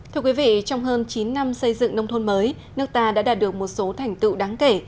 thưa quý vị trong hơn chín năm xây dựng nông thôn mới nước ta đã đạt được một số thành tựu đáng kể